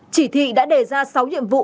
chỉ thị đã đề ra sáu nhiệm vụ